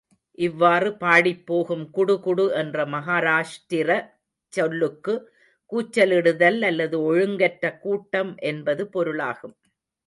இவ்வாறு பாடிப் போகும் குடு குடு என்ற மகாராஷ்டிரச் சொல்லுக்கு கூச்சலிடுதல் அல்லது ஒழுங்கற்ற கூட்டம் என்பது பொருளாகும்.